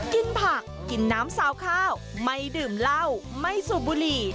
กินผักกินน้ำซาวข้าวไม่ดื่มเหล้าไม่สูบบุหรี่